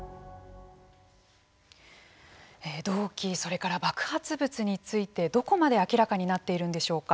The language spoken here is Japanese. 動機、それから爆発物についてどこまで明らかになっているんでしょうか。